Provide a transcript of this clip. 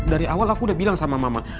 dari awal aku udah bilang sama mama